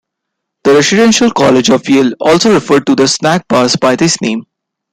The residential colleges of Yale also refer to their snack bars by this name.